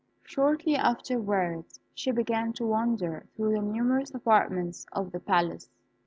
Shortly afterwards she began to wander through the numerous apartments of the palace.